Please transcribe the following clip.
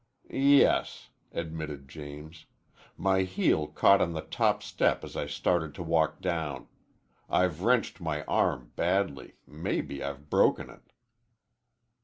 "Yes," admitted James. "My heel caught on the top step as I started to walk down. I've wrenched my arm badly. Maybe I've broken it."